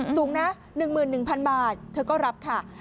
สูงนะ๑๑๐๐๐บาทเธอก็รับค่ะ